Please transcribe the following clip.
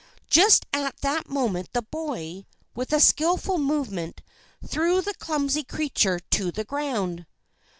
Just at that moment the boy, with a skilful movement, threw the clumsy creature to the ground.